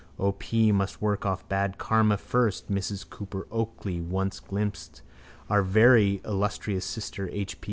O.P. must work off bad karma first. Mrs Cooper Oakley once glimpsed our very illustrious sister H.